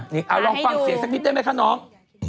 นี่เอาลองฟังเสียงสักนิดได้ไหมคะน้อง